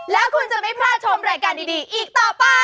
แล้วคุณจะไม่พลาดชมรายการดีอีกต่อไป